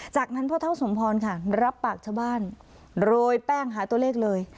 จากนั้นพ่อเท่าสมพรค่ะรับปากชาวบ้านโรยแป้งหาตัวเลขเลย